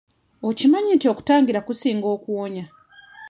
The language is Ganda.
Okimanyi nti okutangira kusinga okuwonya?